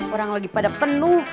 orang lagi pada penuh